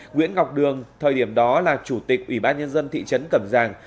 nguyễn ngọc đường thời điểm đó là chủ tịch ủy ban nhân dân thị trấn cẩm giàng